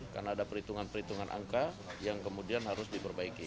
karena ada perhitungan perhitungan angka yang kemudian harus diperbaiki